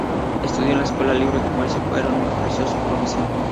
Estudió en la Escuela Libre de Comercio, pero nunca ejerció su profesión.